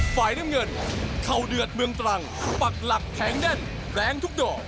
ฝ่ายน้ำเงินเข้าเดือดเมืองตรังปักหลักแข็งแน่นแรงทุกดอก